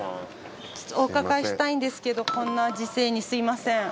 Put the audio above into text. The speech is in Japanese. お伺いしたいんですけどこんな時世にすみません。